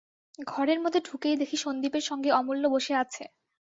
ঘরের মধ্যে ঢুকেই দেখি সন্দীপের সঙ্গে অমূল্য বসে আছে।